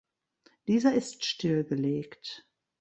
Dieser ist stillgelegt.